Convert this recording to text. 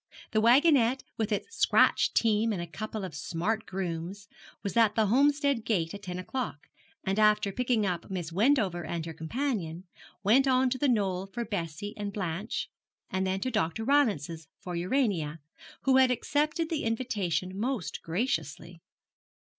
The wagonette with its scratch team and a couple of smart grooms, was at the Homestead gate at ten o'clock, and after picking up Miss Wendover and her companion, went on to The Knoll for Bessie and Blanche, and then to Dr. Rylance's for Urania, who had accepted the invitation most graciously.